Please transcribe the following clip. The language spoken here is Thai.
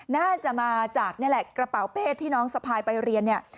น่าจะมาจากนี่แหละกระเป๋าเป้ที่น้องสะพายไปเรียนเนี่ย